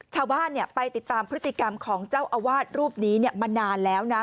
ชาวบ้านไปติดตามพฤติกรรมของเจ้าอาวาสรูปนี้มานานแล้วนะ